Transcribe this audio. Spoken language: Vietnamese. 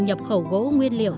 nhập khẩu gỗ nguyên liệu